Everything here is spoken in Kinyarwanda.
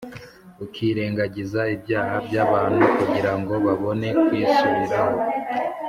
ukirengagiza ibyaha by’abantu kugira ngo babone kwisubiraho.